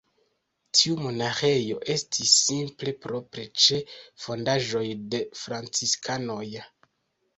Tiu monaĥejo estis simple propre ĉe fondaĵoj de franciskanoj.